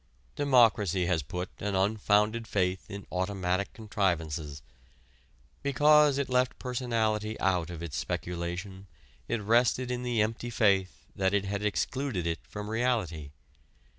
Democracy has put an unfounded faith in automatic contrivances. Because it left personality out of its speculation, it rested in the empty faith that it had excluded it from reality.